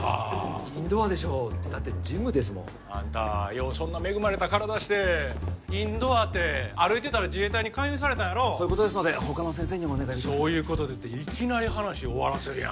インドアでしょうだってジムですもんあんたようそんな恵まれた体してインドアて歩いてたら自衛隊に勧誘されたんやろそういうことですので他の先生にお願いできますか「そういうことで」っていきなり話終わらせるや